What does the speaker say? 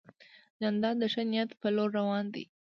جانداد د ښه نیت په لور روان دی.